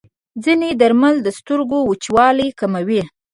ځینې درمل د سترګو وچوالی کموي.